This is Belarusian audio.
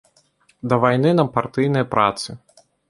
Да вайны на партыйнай працы.